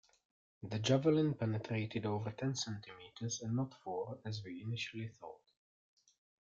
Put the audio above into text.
The javelin penetrated over ten centimetres and not four as we initially thought.